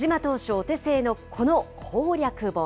お手製のこの攻略本。